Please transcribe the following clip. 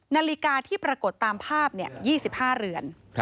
นาฬิกาที่ปรากฏตามภาพ๒๕เรือน